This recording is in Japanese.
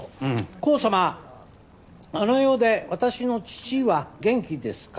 「航様あの世で私の父は元気ですか？」